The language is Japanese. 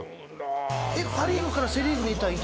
パ・リーグからセ・リーグに行った糸井君。